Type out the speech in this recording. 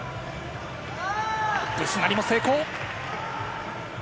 ブスナリも成功。